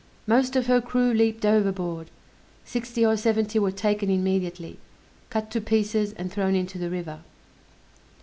Most of her crew leaped overboard; sixty or seventy were taken immediately, cut to pieces and thrown into the river.